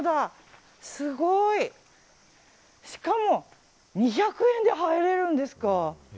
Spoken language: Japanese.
しかも２００円で入れるんですか。